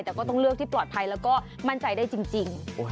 แต่ก็ต้องเลือกที่ปลอดภัยแล้วก็มั่นใจได้จริง